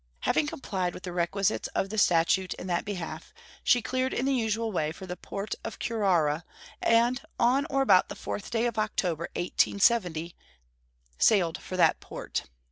Having complied with the requisites of the statute in that behalf, she cleared in the usual way for the port of Curaçoa, and on or about the 4th day of October, 1870, sailed for that port.